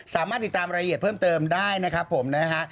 สามารถติดตามรายละเอียดเพิ่มเติมได้นะครับผมนะฮะ